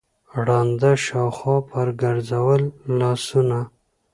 ړانده شاوخوا پر ګرځول لاسونه